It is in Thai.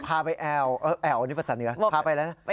แอ่วนี่ประศาสตร์เหนือพาไปเลยนะ